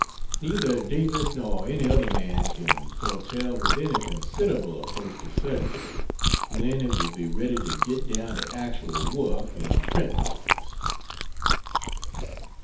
Neither Davis nor any other man can foretell with any considerable approach to certainty when it will be ready to get down to actual work in a printing office.